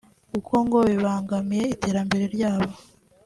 kuko ngo kibangamiye iterambere ryabo